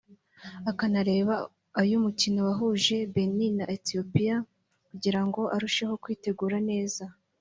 akanareba ay’umukino wahuje Benin na Ethiopia kugira ngo arusheho kwitegura neza